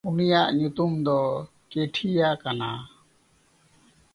ᱩᱱᱤᱭᱟᱜ ᱧᱩᱛᱩᱢ ᱫᱚ ᱠᱮᱴᱷᱤᱭᱟ ᱠᱟᱱᱟ᱾